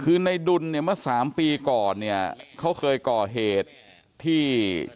คือในดุลเนี่ยเมื่อสามปีก่อนเนี่ยเขาเคยก่อเหตุที่